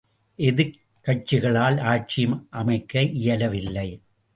எதிர்க்கட்சிகளால் ஆட்சியும் அமைக்க இயலவில்லை!